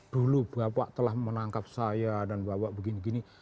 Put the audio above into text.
dulu bapak telah menangkap saya dan bapak begini begini